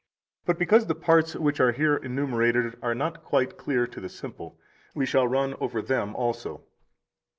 But because the parts which are here enumerated are not quite clear to the simple, we shall run over them also.